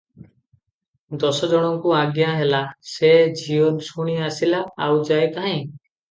ଦଶଜଣଙ୍କୁ ଆଜ୍ଞା ହେଲା, ସେ ନିଜେ ଶୁଣି ଆସିଲା, ଆଉ ଯାଏ କାହିଁ?